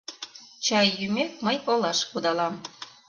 Чай йӱмек, мый олаш кудалам.